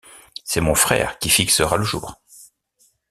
C’est mon frère qui fixera le jour.